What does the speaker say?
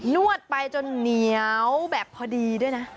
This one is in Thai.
นวดไปจนเหนียวแบบพอดีด้วยนะ